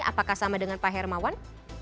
apakah sama dengan pak hermawan